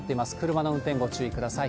車の運転、ご注意ください。